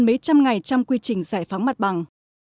mấy trăm ngày trong quy trình giải phóng mặt bằng